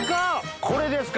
これですか？